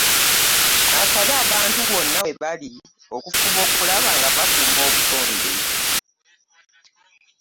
Asabye abantu wonna we bali okufuba okulaba nga bakuuma obutonde